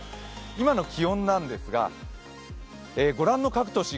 今の気温なんですが、御覧の各都市